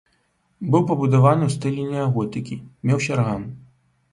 Быў пабудаваны ў стылі неаготыкі, меўся арган.